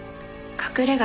隠れ家？